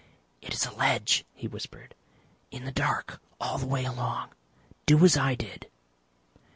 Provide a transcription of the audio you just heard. "It is a ledge," he whispered. "In the dark all the way along. Do as I did."